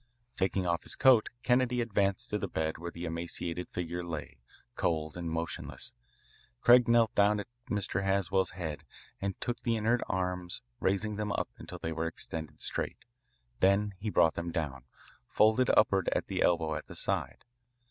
Taking off his coat, Kennedy advanced to the bed where the emaciated figure lay, cold and motionless. Craig knelt down at Mr. Haswell's head and took the inert arms, raising them up until they were extended straight. Then he brought them down, folded upward at the elbow at the side.